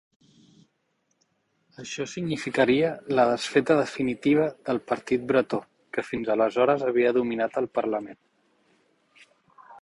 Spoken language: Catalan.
Això significaria la desfeta definitiva del partit bretó, que fins aleshores havia dominat el parlament.